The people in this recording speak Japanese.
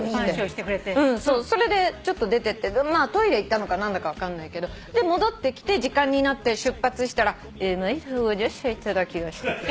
それで出てってトイレ行ったのか何だか分かんないけど戻ってきて時間になって出発したら「え毎度ご乗車いただきまして」